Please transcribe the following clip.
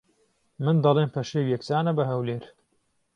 من دەڵێم پەشێو یەکسانە بە ھەولێر